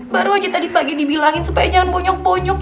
baru aja tadi pagi dibilangin supaya jangan bonyok bonyok